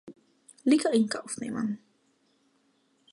Liga in Kauf nehmen.